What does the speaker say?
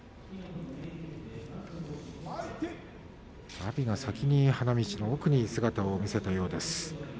阿炎が先に花道の奥に姿を見せたようです。